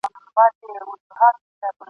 په سړو اوبو د ډنډ کي لمبېدلې !.